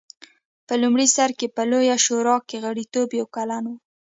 په لومړي سر کې په لویه شورا کې غړیتوب یو کلن و